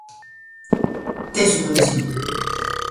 Tes unha misión.